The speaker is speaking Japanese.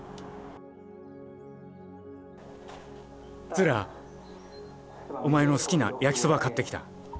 ツーラお前のすきなやきそば買ってきた。